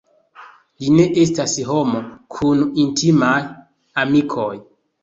Li ne estas homo kun intimaj amikoj.